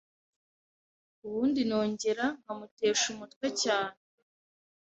ubundi nongera nkamutesha umutwe cyane